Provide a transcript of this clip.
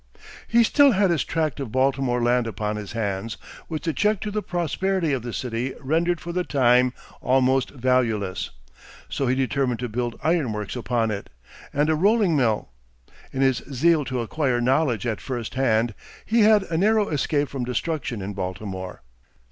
He still had his tract of Baltimore land upon his hands, which the check to the prosperity of the city rendered for the time almost valueless; so he determined to build ironworks upon it, and a rolling mill. In his zeal to acquire knowledge at first hand, he had a narrow escape from destruction in Baltimore.